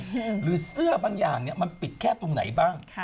หรือเสื้อบางอย่างเนี่ยมันปิดแค่ตรงไหนบ้าง